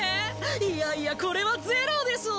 いやいやこれはゼロでしょ！